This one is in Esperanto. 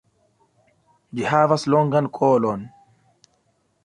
Ĝi havas longan kolon.